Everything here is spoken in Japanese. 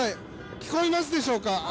聞こえますでしょうか。